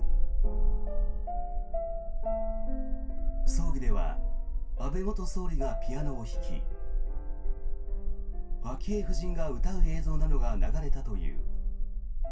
葬儀では安倍元総理がピアノを弾き昭恵夫人が歌う映像などが流れたという。